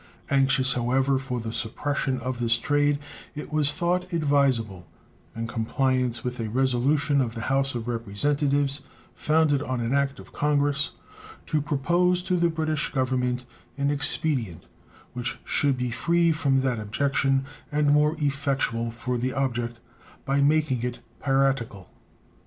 Anxious, however, for the suppression of this trade, it was thought advisable, in compliance with a resolution of the House of Representatives, founded on an act of Congress, to propose to the British Government an expedient which should be free from that objection and more effectual for the object, by making it piratical.